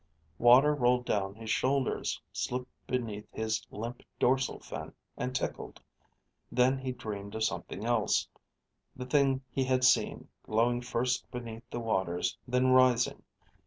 Water rolled down his shoulders, slipped beneath his limp dorsal fin, and tickled. Then he dreamed of something else, the thing he had seen, glowing first beneath the water, then rising....